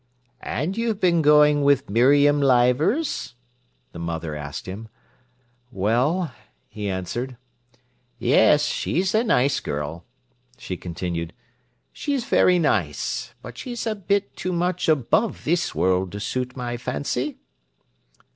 "And you've been going with Miriam Leivers?" the mother asked him. "Well—" he answered. "Yes, she's a nice girl," she continued. "She's very nice, but she's a bit too much above this world to suit my fancy."